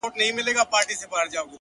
خدمت انسان ارزښتمن کوي؛